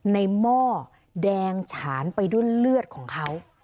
หม้อแดงฉานไปด้วยเลือดของเขา